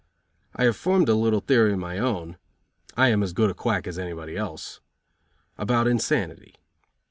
I have formed a little theory of my own (I am as good a quack as anybody else) about insanity.